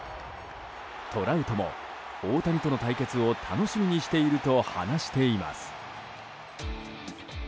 トラウトも大谷との対決を楽しみにしていると話しています。